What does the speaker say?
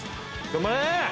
・頑張れ！